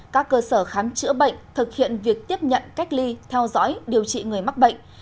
các cơ sở khám chữa bệnh thực hiện việc tiếp nhận cách ly theo dõi điều trị người mắc bệnh